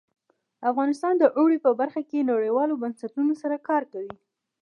افغانستان د اوړي په برخه کې نړیوالو بنسټونو سره کار کوي.